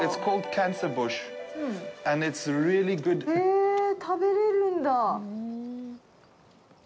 へえ、食べれるんだ。